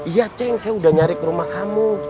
iya ceng saya udah nyari ke rumah kamu